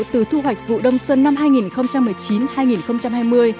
từ thu hoạch vụ đông xuân năm hai nghìn một mươi chín hai nghìn hai mươi